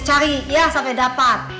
cari ya sampai dapat